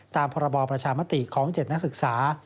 ตามพรบประชามติของ๗นักศึกษา